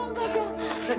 tidak kang sabda